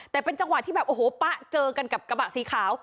แต่เป็นจังหวะที่แบบโอ้โหป๊ะเจอกันกับกระบะสีขาว